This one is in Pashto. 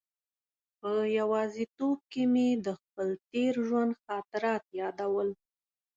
په یوازې توب کې مې د خپل تېر ژوند خاطرات یادول.